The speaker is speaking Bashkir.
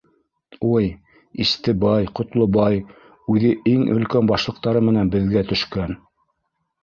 — Уй, Истебай, Ҡотлобай үҙе иң өлкән башлыҡтары менән беҙгә төшкән.